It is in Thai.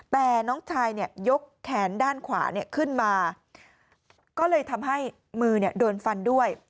แต่น้องชายยกแขนด้านขวาขึ้นมาก็เลยทำให้มือโดนฟันด้วย